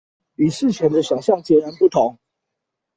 與事前的想像截然不同